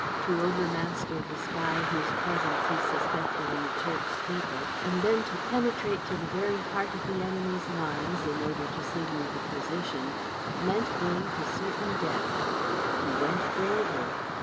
To overmaster the spy whose presence he suspected in the church steeple and then to penetrate to the very heart of the enemy's lines, in order to signal the position, meant going to certain death. He went bravely.